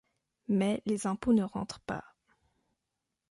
Mais les impôts ne rentrent pas.